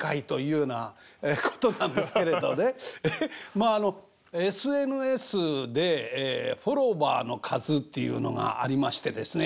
まあＳＮＳでフォロワーの数っていうのがありましてですね